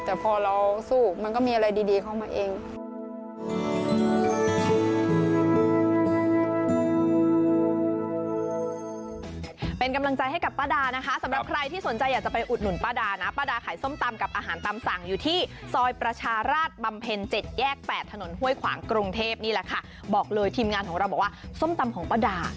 แต่พอเราสู้มันก็มีอะไรดีเข้ามาเอง